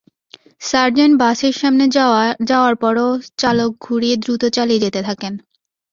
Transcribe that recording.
Sergeant বাসের সামনে যাওয়ার পরও চালক ঘুরিয়ে দ্রুত চালিয়ে যেতে থাকেন।